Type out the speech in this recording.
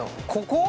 ここ？